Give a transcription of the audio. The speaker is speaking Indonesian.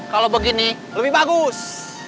kalo begini lebih bagus